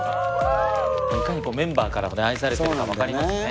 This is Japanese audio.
いかにメンバーからも愛されてるか分かりますね。